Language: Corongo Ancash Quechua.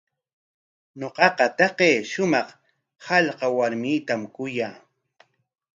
Ñuqaqa taqay shumaq hallqa warmitam kuyaa.